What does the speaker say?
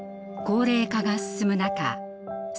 高齢化が進む中